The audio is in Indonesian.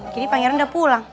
jadi pangeran udah pulang